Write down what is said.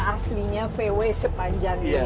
aslinya vw sepanjang ini